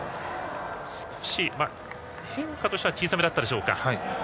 変化としては小さめだったでしょうか。